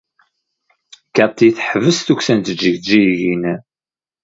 Cathy teḥbes tukksa n tjejjigin.